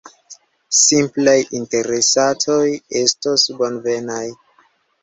Simplaj interesatoj estos bonvenaj.